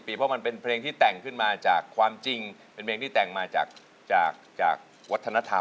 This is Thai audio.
เพราะมันเป็นเพลงที่แต่งขึ้นมาจากความจริงเป็นเพลงที่แต่งมาจากจากวัฒนธรรม